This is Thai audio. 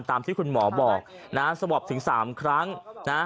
ตามที่คุณหมอบอกนะฮะสวอปถึงสามครั้งนะฮะ